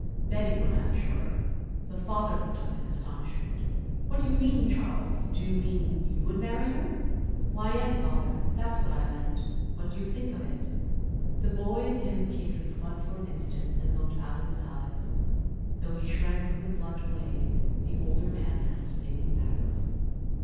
Betty would, I'm sure." The father looked up in astonishment. "What do you mean, Charles? Do you mean you would marry her?" "Why, yes, Father, that's what I meant. What do you think of it?" The boy in him came to the front for an instant and looked out of his eyes, though he shrank from the blunt way the older man had of stating facts.